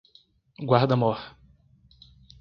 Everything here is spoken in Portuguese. Guarda-Mor